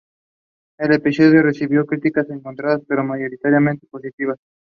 El episodio recibió críticas encontradas, pero mayoritariamente positivas.